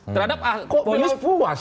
kok beliau puas